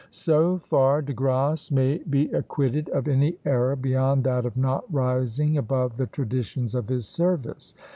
So far De Grasse may be acquitted of any error beyond that of not rising above the traditions of his service.